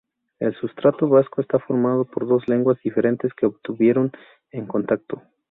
El sustrato vasco está formado por dos lenguas diferentes que estuvieron en contacto.